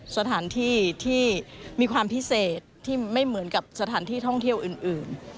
สถานที่ที่มีความพิเศษที่ไม่เหมือนกับสถานที่ท่องเที่ยวอื่น